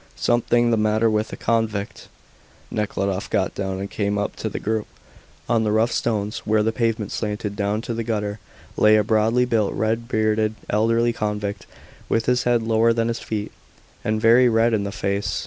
"Something the matter with a convict." Nekhludoff got down and came up to the group. On the rough stones, where the pavement slanted down to the gutter, lay a broadly built, red bearded, elderly convict, with his head lower than his feet, and very red in the face.